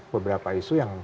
beberapa isu yang